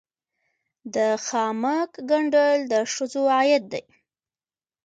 د خامک ګنډل د ښځو عاید دی